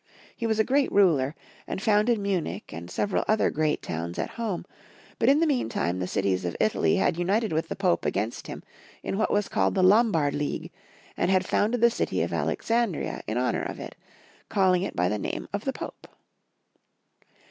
He was a great ruler, and founded Munich and several other great towns at home ; but in the meantime the cities of Italy had united with the Pope against him in what was called the Lombard League, and had founded the city of Alessandria in honor of it, calling it by the name of the Pope.